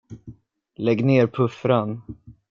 Lägg ned puffran.